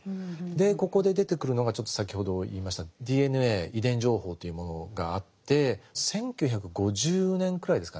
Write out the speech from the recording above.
でここで出てくるのがちょっと先ほど言いましたＤＮＡ遺伝情報というものがあって１９５０年くらいですかね